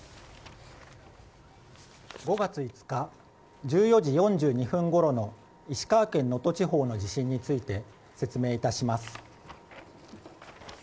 ５月５日、１４時４２分ごろ石川県能登地方の地震について説明いたします。